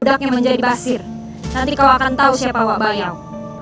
budaknya menjadi basir nanti kau akan tau siapa wak bayau